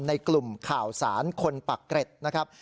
ในกลุ่มข่าวสารคนปากเกร็ดนะครับ